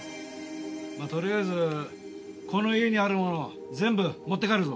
まあとりあえずこの家にあるもの全部持って帰るぞ。